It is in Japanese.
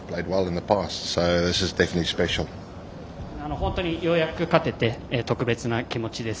本当にようやく勝てて特別な気持ちです。